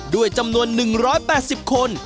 ด้วยจำนวน๑๘๐คน